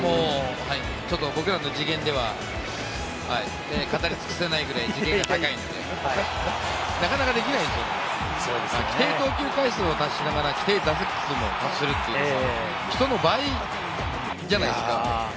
僕らの次元では語りつくせないぐらい次元が高いんで、なかなかできないですよ、規定投球回数を達しながら、規定打席も達する、人の倍じゃないですか。